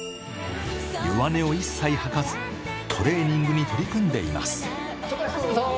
弱音を一切吐かず、トレーニングに取り組んでいます。